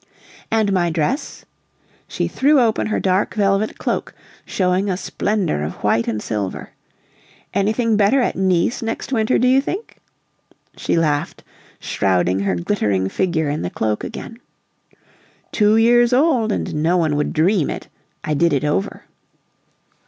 "And my dress?" She threw open her dark velvet cloak, showing a splendor of white and silver. "Anything better at Nice next winter, do you think?" She laughed, shrouding her glittering figure in the cloak again. "Two years old, and no one would dream it! I did it over."